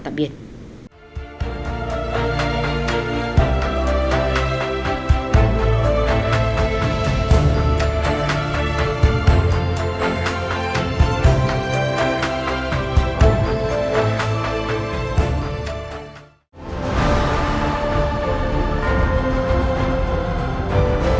xin chào tạm biệt